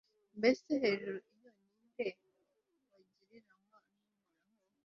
mbese hejuru iyo, ni nde wagereranywa n'uhoraho